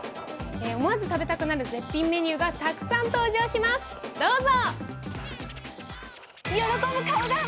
思わず食べたくなる絶品メニューがたくさん登場します、どうぞ！